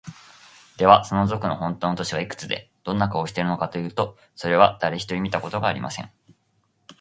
では、その賊のほんとうの年はいくつで、どんな顔をしているのかというと、それは、だれひとり見たことがありません。